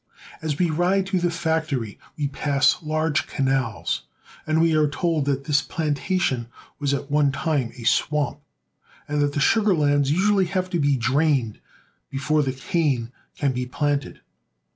As we ride to the factory we pass large canals, and are A SUGAR PLANTATION. 147 told that this plantation was at one time a swamp, and that the sugar lands usually have to be drained before the cane can be planted.